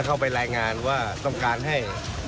เข้าไปรายงานว่าต้องการให้